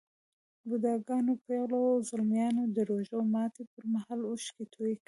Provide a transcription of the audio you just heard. بوډاګانو، پېغلو او ځلمیانو د روژه ماتي پر مهال اوښکې توی کړې.